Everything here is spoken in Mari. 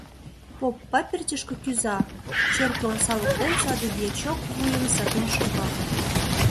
Поп папертьышке кӱза — черке омса воктен саде дьячок вуйым сакен шога.